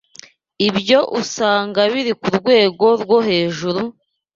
ibyo usanga biri ku rwego rwo hejuru,